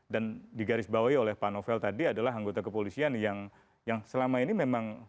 dan digarisbawahi oleh pak novel tadi adalah anggota kepolisian yang selama ini memang